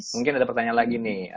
mungkin ada pertanyaan lagi nih